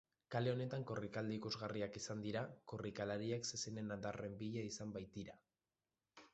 Kale honetan korrikaldi ikusgarriak izan dira, korrikalariak zezenen adarren bila izan baitira.